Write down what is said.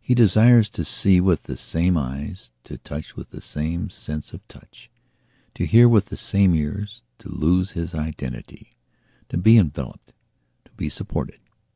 He desires to see with the same eyes, to touch with the same sense of touch, to hear with the same ears, to lose his identity, to be enveloped, to be supported.